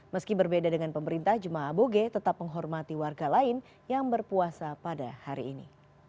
meski berbeda dengan pemerintah jemaah aboge tetap menghormati warga lain yang berpuasa pada hari ini